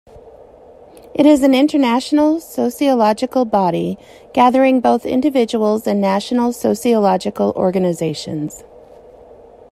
It is an international sociological body, gathering both individuals and national sociological organizations.